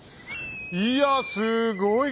いやすごい。